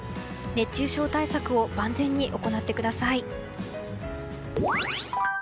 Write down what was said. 熱中症対策を万全に行ってください。